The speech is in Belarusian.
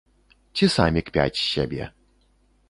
Ці самі кпяць з сябе.